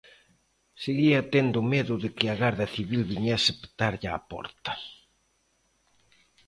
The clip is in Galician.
Seguía tendo medo de que a Garda Civil viñese petarlle á porta.